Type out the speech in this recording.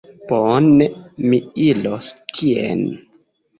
Bone, mi iros tien.